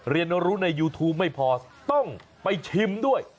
เรียนรู้ในยูทูปไม่พอต้องไปชิมด้วย